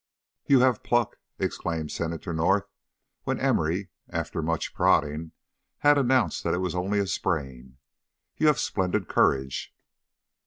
"You have pluck!" exclaimed Senator North when Emory, after much prodding, had announced that it was only a sprain. "You have splendid courage."